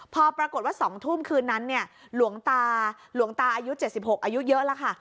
พอปรากฏว่า๒ทุ่มคืนนั้นเนี่ยหลวงตาหลวงตาอายุ๗๖อายุเยอะแล้วค่ะ